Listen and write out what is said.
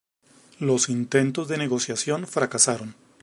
Los intentos de negociación fracasaron.